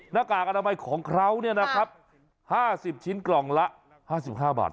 หน้ากากอนามัยของเขาเนี่ยนะครับห้าสิบชิ้นกล่องละห้าสิบห้าบาท